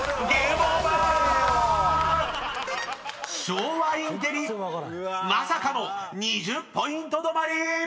［昭和インテリまさかの２０ポイント止まり！］